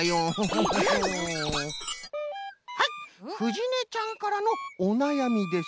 はいふじねちゃんからのおなやみです。